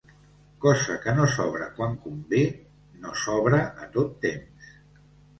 Casa que no s'obre quan convé, no s'obre a tot temps.